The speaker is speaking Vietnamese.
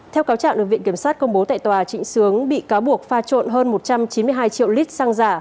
theo cáo trạng được viện kiểm sát công bố tại tòa trịnh sướng bị cáo buộc pha trộn hơn một trăm chín mươi hai triệu lít xăng giả